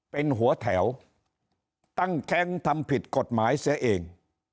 เป็นหัวแถวตั้งแคมป์ทำผิดกฎหมายเสียเอง